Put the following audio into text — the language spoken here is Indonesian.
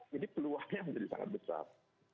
peluangnya menjadi sangat besar